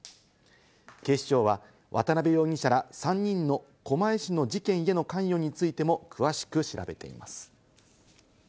警視庁は渡辺容疑者ら３人の狛江市の事件への関与についても詳しく調べています。